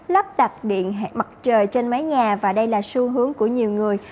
lắp đặt điện mặt trời trên mái nhà và đây là xu hướng của nhiều người